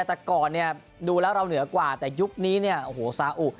แต่ก่อนเนี่ยดูแล้วเราเหนือกว่าแต่ยุคนี้เนี่ยโอ้โหซาอุ